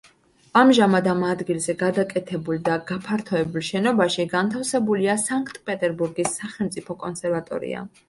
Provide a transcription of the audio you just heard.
ამჟამად ამ ადგილზე გადაკეთებულ და გაფართოებულ შენობაში განთავსებულია სანქტ-პეტერბურგის სახელმწიფო კონსერვატორია.